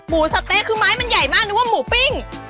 สะเต๊ะคือไม้มันใหญ่มากนึกว่าหมูปิ้ง